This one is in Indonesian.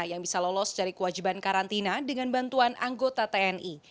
yang bisa lolos dari kewajiban karantina dengan bantuan anggota tni